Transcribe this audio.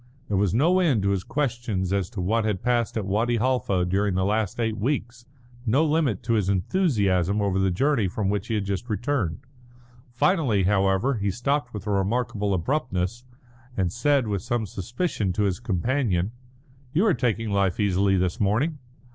There was no end to his questions as to what had passed at Wadi Halfa during the last eight weeks, no limit to his enthusiasm over the journey from which he had just returned. Finally, however, he stopped with a remarkable abruptness, and said, with some suspicion, to his companion: "You are taking life easily this morning."